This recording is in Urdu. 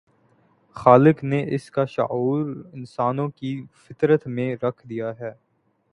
خالق نے اس کا شعور انسانوں کی فطرت میں رکھ دیا ہے۔